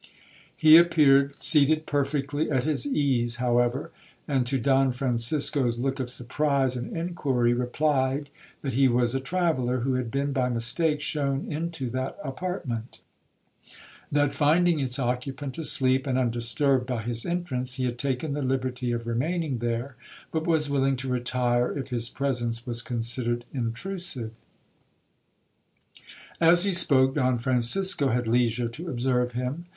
He appeared seated perfectly at his ease, however; and to Don Francisco's look of surprise and inquiry, replied that he was a traveller, who had been by mistake shown into that apartment,—that finding its occupant asleep and undisturbed by his entrance, he had taken the liberty of remaining there, but was willing to retire if his presence was considered intrusive. 'As he spoke, Don Francisco had leisure to observe him.